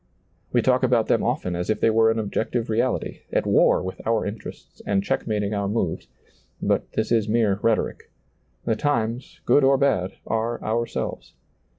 We talk about them often as if they were an objective reality, at war with our interests and checkmating our moves ; but this is mere rhetoric. The times, good or bad, are ourselves.